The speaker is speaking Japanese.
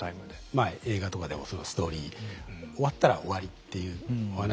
まあ映画とかでもそのストーリー終わったら終わりっていうお話多いじゃないですか。